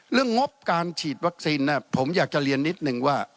งบการฉีดวัคซีนผมอยากจะเรียนนิดนึงว่า